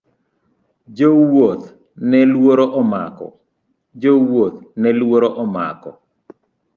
Jo wuoth ne luoro omako.